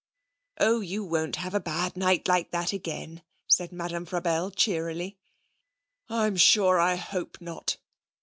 'Oh, you won't have a bad night like that again,' said Madame Frabelle cheerily. 'I'm sure I hope not.'